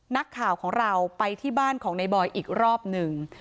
นักข่าวของเราไปที่บ้านของในบอยอีกรอบหนึ่ง